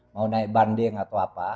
mau naik banding atau apa